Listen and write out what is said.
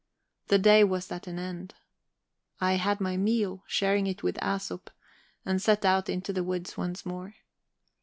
The day was at an end. I had my meal, sharing it with Æsop, and set out into the woods once more.